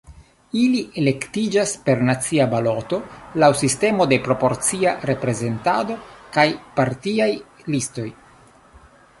Ili elektiĝas per nacia baloto laŭ sistemo de proporcia reprezentado kaj partiaj listoj.